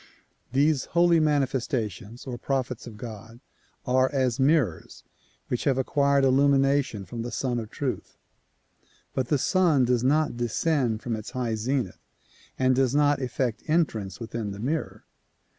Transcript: These holy mani festations or prophets of God are as mirrors which have acquired illumination from the Sun of Truth, but the Sun does not descend from its high zenith and does not effect entrance within the mirror.